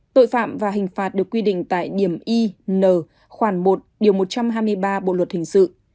tội phạm và hình phạt được quy định tại điểm y n khoảng một điều một trăm hai mươi ba bộ luật hình sự